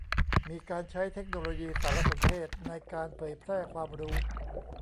มีการใช้เทคโนโลยีสารสนเทศในการเผยแพร่ความรู้